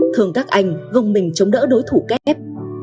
thương các anh gồng mình chống đỡ đối thủ kép